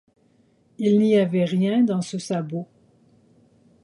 Il n'y avait rien dans ce sabot.